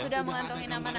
sudah mengantongi nama nama